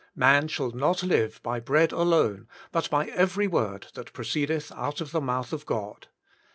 " Man shall not live by bread alone, but by every word that proceedeth out of the mouth of God.'